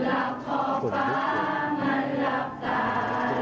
และเดินหน้าต่อไป